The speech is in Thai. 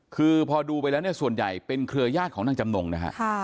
คือพอดูไปแล้วเนี่ยส่วนใหญ่เป็นเครือญาติของนางจำนงนะฮะ